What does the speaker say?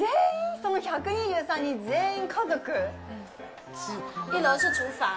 その１２３人、全員家族？